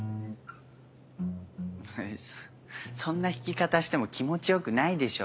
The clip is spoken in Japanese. そんな弾き方しても気持ち良くないでしょうよ。